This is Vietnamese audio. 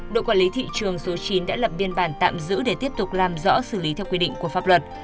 đội quản lý thị trường số chín đã lập biên bản tạm giữ để tiếp tục làm rõ xử lý theo quy định của pháp luật